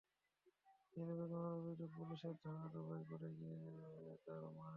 লিলু বেগমের অভিযোগ, পুলিশের ধাওয়ায় ডোবায় পড়ে গিয়ে তাঁর ভাই মারা গেছেন।